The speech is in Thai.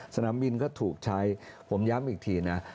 สนามบินก็ถูกใช้ผมย้ำอีกทีนะ